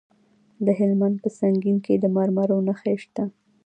د هلمند په سنګین کې د مرمرو نښې شته.